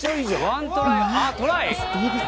「ワントライをあっトライ？」